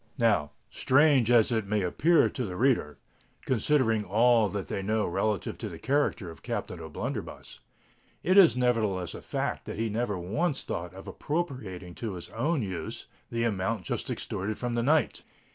Now, strange as it may appear to the reader,—considering all that they know relative to the character of Captain O'Blunderbuss,—it is nevertheless a fact that he never once thought of appropriating to his own use the amount just extorted from the knight.